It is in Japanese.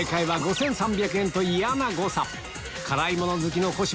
嫌な誤差辛いもの好きの小芝